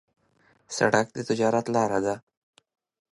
سړک د تجارت لاره ده.